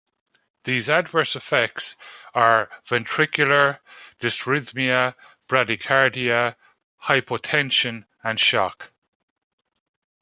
These adverse effects are ventricular dysrhythmia, bradycardia, hypotension and shock.